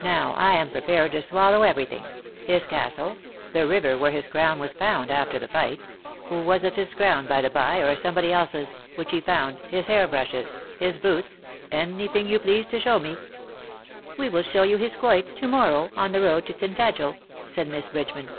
Now, I am prepared to swallow everything — his castle — the river where his crown was found after e2 52 BUT THEN CAME ONE, the fight — was it his crown, by the by, or some body else^s ? which he found — his hair brushes — his boots — anything you please to show me/' •^^We will show you his quoit to morrow, on the road to Tintagel/' said Miss Bridgeman.